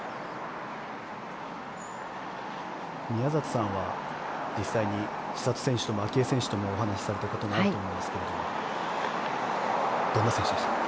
宮里さんは実際に千怜選手とも明愛選手ともお話されたことがあると思いますがどんな選手でしたか？